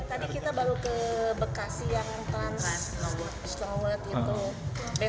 tadi kita baru ke bekasi yang trans snow world itu